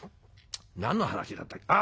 何の話だったあ